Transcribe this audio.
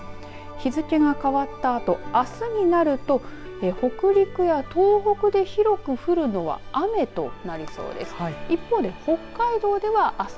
日付が変わったあとあすになると北陸や東北で広く降るのは雨となりそうです。